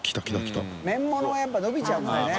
佑發里やっぱのびちゃうからね。